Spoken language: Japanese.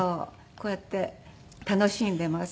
こうやって楽しんでいます。